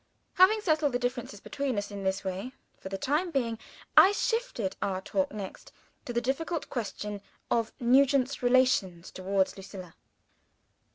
Having settled the difference between us in this way, for the time being, I shifted our talk next to the difficult question of Nugent's relations towards Lucilla.